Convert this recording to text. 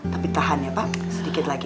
tapi tahan ya pak sedikit lagi